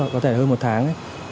có thể hơn một tháng ấy